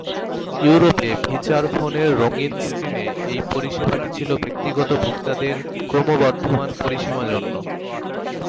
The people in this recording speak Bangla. ইউরোপে ফিচার ফোনের রঙিন স্ক্রিনে এই পরিষেবাটি ছিল ব্যক্তিগত ভোক্তাদের ক্রমবর্ধমান পরিসীমা জন্য।